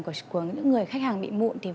của những người khách hàng bị mụn